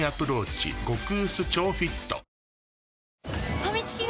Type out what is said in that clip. ファミチキが！？